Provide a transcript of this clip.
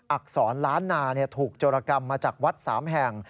อักษรล้านนาถูกโจรกรรมมาจากวัด๓แห่ง